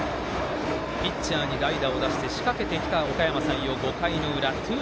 ピッチャーに代打を出して仕掛けてきたおかやま山陽、５回の裏。